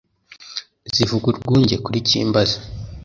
Zivuga urwunge kuri Cyimbazi